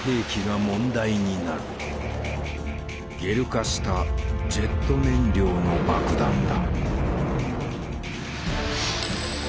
ゲル化したジェット燃料の爆弾だ。